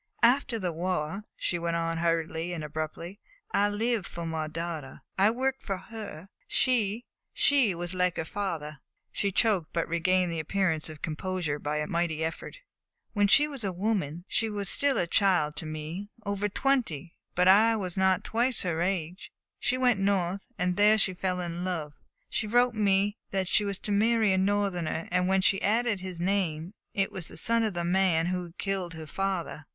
"After the war," she went on hurriedly and abruptly, "I lived for my daughter. I worked for her. She she was like her father." She choked, but regained the appearance of composure by a mighty effort. "When she was a woman she was still a child to me; over twenty, but I was not twice her age she went North, and there she fell in love. She wrote me that she was to marry a Northerner, and when she added his name it was the son of the man who killed her father."